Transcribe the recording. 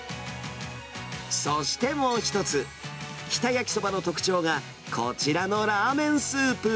そしてもう一つ、日田やきそばの特徴が、こちらのラーメンスープ。